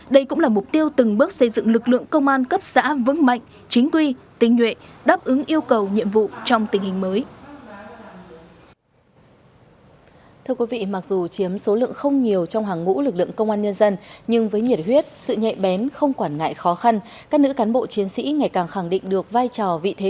đây cũng là mục tiêu từng bước xây dựng lực lượng công an cấp xã vững mạnh chính quy tinh nhuệ